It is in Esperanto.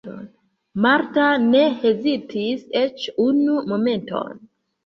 Marta ne hezitis eĉ unu momenton.